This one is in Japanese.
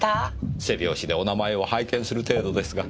背表紙でお名前を拝見する程度ですが。